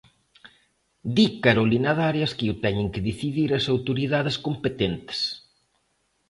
Di Carolina Darias que o teñen que decidir as autoridades competentes.